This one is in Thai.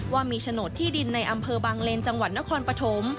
ว่ามีโฉนดที่ดินในอำเภอบางเลนจังหวัดนครปฐม